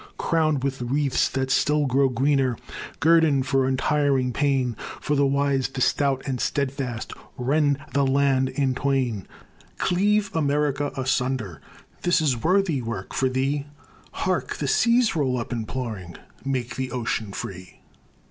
Crowned with wreaths that still grow greener, Guerdon for untiring pain, For the wise, the stout, and steadfast: Rend the land in twain. Cleave America asunder, This is worthy work for thee. Hark! The seas roll up imploring "Make the ocean free."